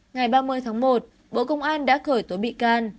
ngày ba mươi tháng một bộ công an đã khởi tố bị can